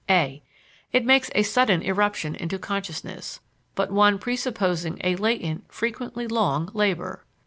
(a) It makes a sudden eruption into consciousness, but one presupposing a latent, frequently long, labor.